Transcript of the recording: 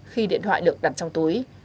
khi điện thoại được đặt trong túi